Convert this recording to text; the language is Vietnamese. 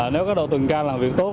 nếu có độ tuần ca làm việc tốt